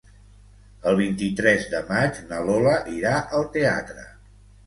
El vint-i-tres de maig na Lola irà al teatre.